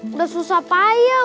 udah susah payah